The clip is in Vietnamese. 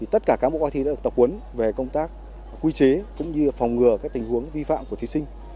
tất cả các bộ coi thi đã được tập huấn về công tác quy chế cũng như phòng ngừa các tình huống vi phạm của thí sinh